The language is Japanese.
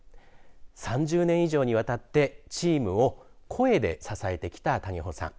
３０年以上にわたってチームを声で支えてきた谷保さん。